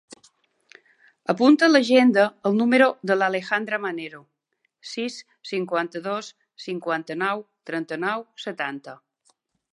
Apunta a l'agenda el número de l'Alejandra Manero: sis, cinquanta-dos, cinquanta-nou, trenta-nou, setanta.